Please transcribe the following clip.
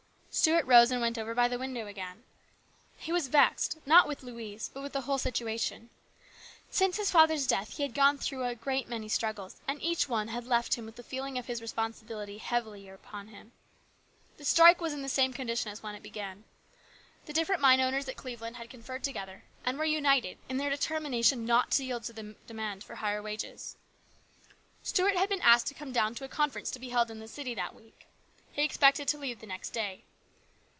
Stuart rose and went over by the window again. He was vexed, not with Louise, but with the whole situation. Since his father's death he had gone through a great many struggles, and each one had left him with the feeling of his responsibility heavier upon him. The strike was in the same condition as when it began. The different mine owners at Cleveland had conferred together and were united in their determination not to yield to the demand for higher wages. Stuart had been asked to come down to a conference to be held in the city that week. He expected to leave the next day.